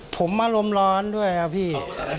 ผมอารมณ์ร้อนด้วยครับพี่